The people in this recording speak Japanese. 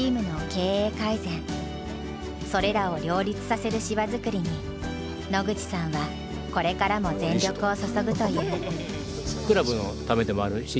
それらを両立させる芝作りに野口さんはこれからも全力を注ぐという。